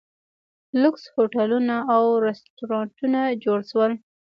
لوکس هوټلونه او ریسټورانټونه جوړ شول.